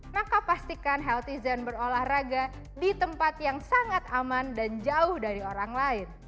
maka pastikan healthy zen berolahraga di tempat yang sangat aman dan jauh dari orang lain